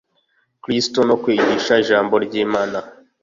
Kristo no kwigisha Ijambo ry Imana